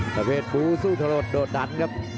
ประเภทบูสู้ถลดโดดดันครับ